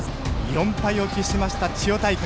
４敗を喫しました、千代大海。